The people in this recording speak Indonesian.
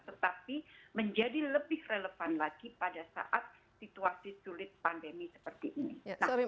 tetapi menjadi lebih relevan lagi pada saat situasi sulit pandemi seperti ini